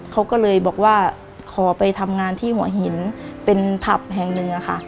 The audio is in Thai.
เขาก็เลยบอกว่าขอไปทำงานที่หัวหินเป็นผับแห่งหนึ่งค่ะ